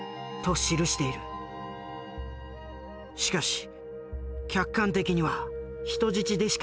しかし客観的には人質でしかないのでは？